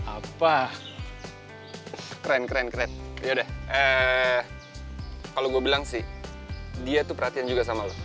apa keren keren keren ya udah eh kalau gue bilang sih dia tuh perhatian juga sama lo